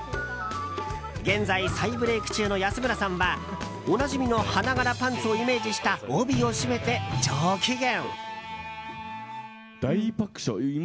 現在、再ブレーク中の安村さんはおなじみの花柄パンツをイメージした帯を締めて上機嫌。